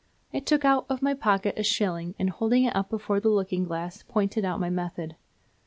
I took out of my pocket a shilling, and holding it up before the looking glass, pointed out my method.